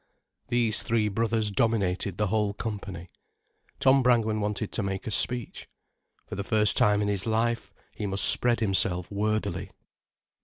These three brothers dominated the whole company. Tom Brangwen wanted to make a speech. For the first time in his life, he must spread himself wordily.